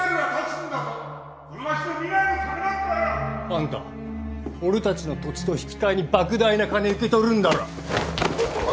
あんた俺たちの土地と引き換えに莫大な金受け取るんだろ